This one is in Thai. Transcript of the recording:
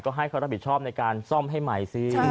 ก็ให้เขารับผิดชอบในการซ่อมให้ใหม่สิ